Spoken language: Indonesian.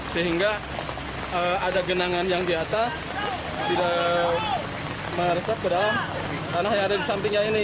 sehingga ada genangan yang di atas tidak meresap ke dalam tanah yang ada di sampingnya ini